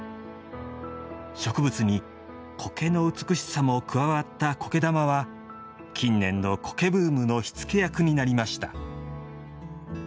植物に苔の美しさも加わった苔玉は近年の苔ブームの火付け役になりました。